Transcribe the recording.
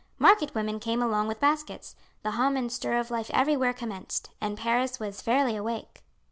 Market women came along with baskets, the hum and stir of life everywhere commenced, and Paris was fairly awake.